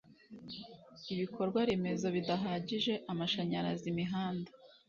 Ibikorwaremezo bidahagije amashanyarazi imihanda